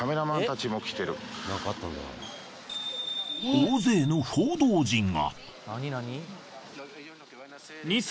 大勢の報道陣が。